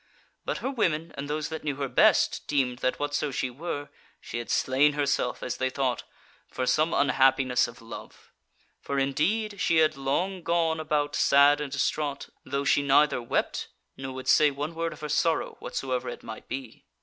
But her women and those that knew her best, deemed that whatso she were, she had slain herself, as they thought, for some unhappiness of love. For indeed she had long gone about sad and distraught, though she neither wept, nor would say one word of her sorrow, whatsoever it might be.